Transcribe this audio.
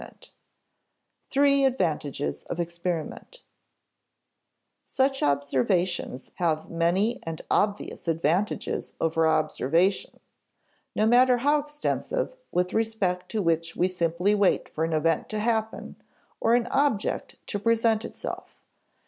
[Sidenote: Three advantages of experiment] Such observations have many and obvious advantages over observations no matter how extensive with respect to which we simply wait for an event to happen or an object to present itself.